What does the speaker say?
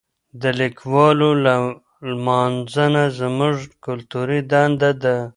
د لیکوالو لمانځنه زموږ کلتوري دنده ده.